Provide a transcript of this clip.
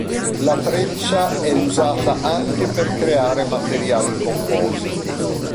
La treccia è usata anche per creare materiali compositi.